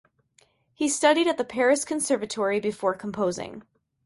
He studied at the Paris Conservatory before composing.